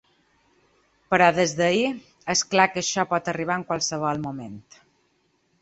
Però, des d’ahir, és clar que això pot arribar en qualsevol moment.